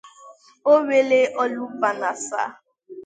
Owelle-Olumbanasa